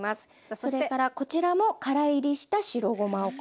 それからこちらもからいりした白ごまを加えます。